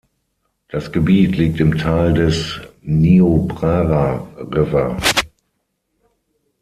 Das Gebiet liegt im Tal des Niobrara River.